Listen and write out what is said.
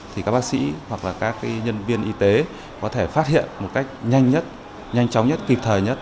thì các bác sĩ hoặc là các nhân viên y tế có thể phát hiện một cách nhanh nhất nhanh chóng nhất kịp thời nhất